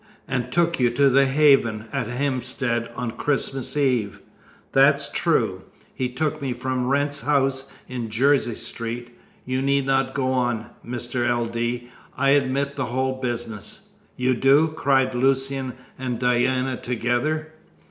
"And took you to 'The Haven,' at Hampstead, on Christmas Eve." "That's true. He took me from Wrent's house in Jersey Street. You need not go on, Mr. L. D. I admit the whole business." "You do?" cried Lucian and Diana together.